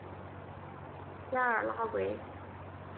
加尔拉韦。